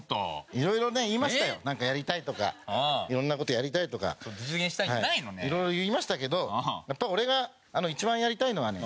いろいろね言いましたよなんかやりたいとかいろんな事やりたいとかいろいろ言いましたけどやっぱり俺が一番やりたいのはね